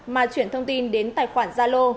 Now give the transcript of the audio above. mà chuyển thông tin đến tài khoản gia lô